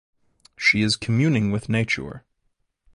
She is communing with nature.